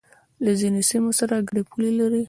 له ځینو سیمو سره گډې پولې لري